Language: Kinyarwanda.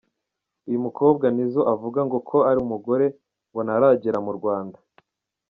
Uyu mukobwa Nizzo avuga ko ari "Umugore" ngo ntaragera mu Rwanda.